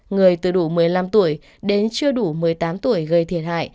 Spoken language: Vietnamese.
người từ đủ một mươi năm tuổi đến chưa đủ một mươi tám tuổi gây thiệt hại